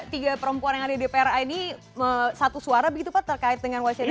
tiga perempuan yang ada di dpra ini satu suara begitu pak terkait dengan wacana